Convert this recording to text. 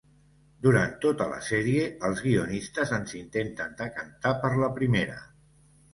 Durant tota la sèrie, els guionistes ens intenten decantar per la primera.